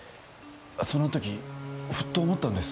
その時ふっと思ったんです。